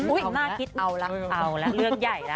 อุ้ยเอาละเอาละเรื่องใหญ่นะ